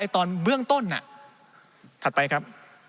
ตอนเบื้องต้นถัดไปครับ